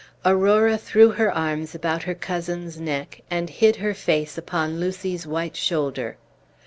Aurora threw her arms about her cousin's neck, and hid her face upon Lucy's white shoulder.